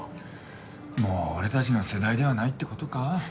もう俺たちの世代ではないってことかぁ。